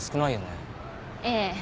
ええ。